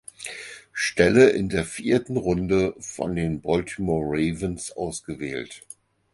Stelle in der vierten Runde von den Baltimore Ravens ausgewählt.